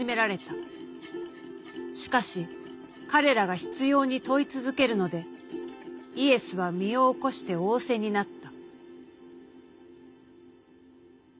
しかし彼らが執拗に問い続けるのでイエスは身を起こして仰せになった」。